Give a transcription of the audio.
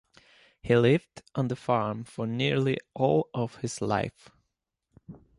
He lived on the farm for nearly all of his life.